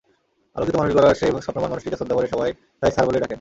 আলোকিত মানুষ গড়ার সেই স্বপ্নবান মানুষটিকে শ্রদ্ধাভরে সবাই তাই স্যার বলেই ডাকেন।